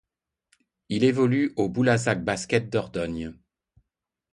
Il évolue au Boulazac Basket Dordogne.